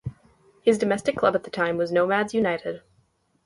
His domestic club at the time was Nomads United.